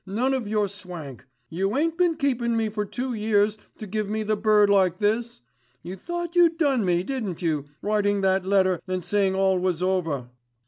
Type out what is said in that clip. none of your swank. You ain't been keepin' me for two years to give me the bird like this. You thought you'd done me, didn't you, writing that letter and saying all was over."